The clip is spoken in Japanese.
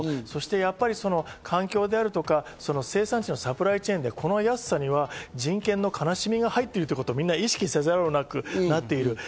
やっぱり環境であるとか、生産者、サプライチェーンがこの安さには人権の悲しみが入ってるってことをみんな意識せざるを得なくなっている。